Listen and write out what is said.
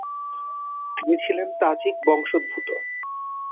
তিনি ছিলেন তাজিক বংশোদ্ভূত।